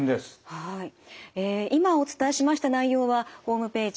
ええ今お伝えしました内容はホームページ